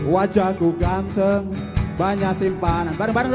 wajahku ganteng banyak simpanan